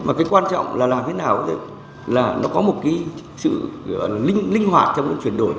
mà cái quan trọng là làm thế nào có thể là nó có một cái sự linh hoạt trong cái chuyển đổi